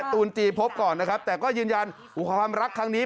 ตูนจีพบก่อนนะครับแต่ก็ยืนยันความรักครั้งนี้